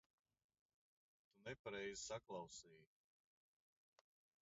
Tu nepareizi saklausīji.